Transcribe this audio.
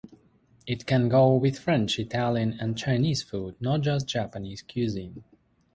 It can go with French, Italian, even Chinese food, not just Japanese cuisine.